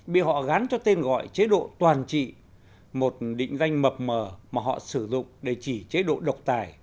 bị họ gán cho tên gọi chế độ toàn trị một định danh mập mờ mà họ sử dụng để chỉ chế độ độc tài